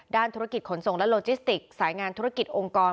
ธุรกิจขนส่งและโลจิสติกสายงานธุรกิจองค์กร